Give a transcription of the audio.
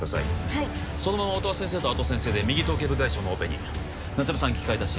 はいそのまま音羽先生と青戸先生で右頭頸部外傷のオペに夏梅さん器械出し